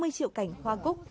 năm mươi triệu cảnh hoa cúc